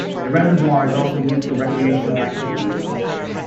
The reservoir is also used for recreational activities.